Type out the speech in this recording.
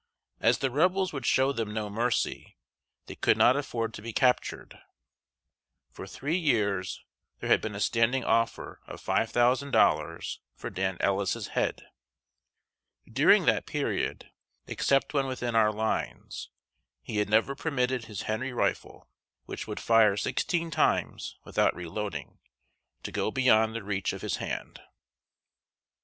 As the Rebels would show them no mercy, they could not afford to be captured. For three years there had been a standing offer of five thousand dollars for Dan Ellis's head. During that period, except when within our lines, he had never permitted his Henry rifle, which would fire sixteen times without reloading, to go beyond the reach of his hand.